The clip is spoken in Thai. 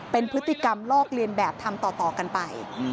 เป็นพฤติกรรมลอกเลียนแบบทำต่อกันไป